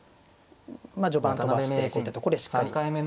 まあ序盤飛ばしてこういったとこでしっかり。